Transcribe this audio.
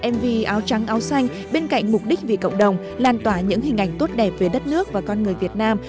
mv áo trắng áo xanh bên cạnh mục đích vì cộng đồng lan tỏa những hình ảnh tốt đẹp về đất nước và con người việt nam